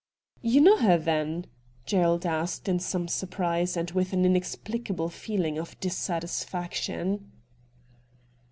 ' You know her then ?' Gerald asked in some surprise and with an inexplicable feeling of dissatisfaction.